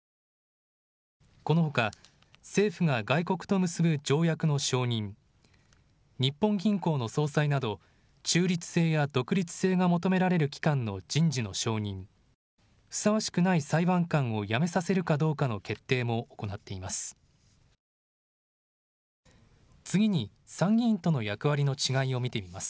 このほか政府が外国と結ぶ条約の承認、日本銀行の総裁など中立性や独立性が求められる機関の人事の承認、ふさわしくない裁判官を辞めさせるかどうかの決定も行っています。